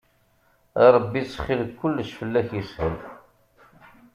A Ṛebbi ttxil-k kullec fell-ak yeshel.